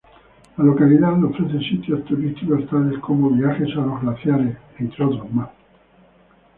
La localidad ofrece sitios turísticos tales como viajes a los glaciares, entre otros más.